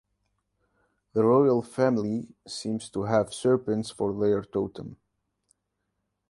The royal family seems to have serpents for their totem.